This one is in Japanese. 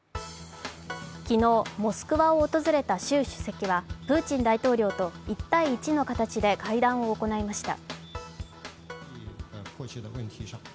昨日、モスクワを訪れた習主席はプーチン大統領と１対１の形で会談を行いました。